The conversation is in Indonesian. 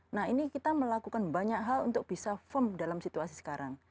nah ini kita melakukan banyak hal untuk bisa firm dalam situasi sekarang